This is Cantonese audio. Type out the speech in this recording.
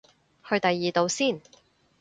去第二度先